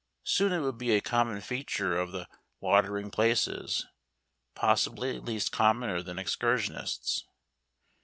Soon it would be a common feature of the watering places possibly at last commoner than excursionists.